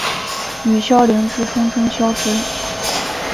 与鞘磷脂通称鞘脂。